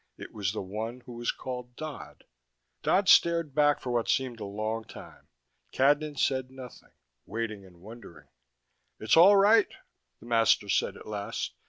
It was the one who was called Dodd. Dodd stared back for what seemed a long time. Cadnan said nothing, waiting and wondering. "It's all right," the master said at last.